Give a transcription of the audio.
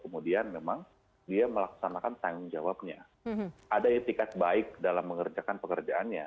kemudian memang dia melaksanakan tanggung jawabnya ada etikat baik dalam mengerjakan pekerjaannya